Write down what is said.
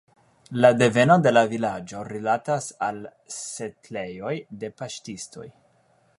La deveno de la vilaĝo rilatas al setlejoj de paŝtistoj.